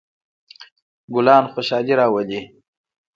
ګلان خوشحالي راولي.